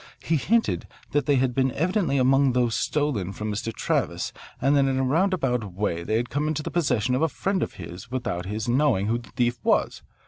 He hinted that they had been evidently among those stolen from Mr. Travis and that in a roundabout way they had come into the possession of a friend of his without his knowing who the thief was.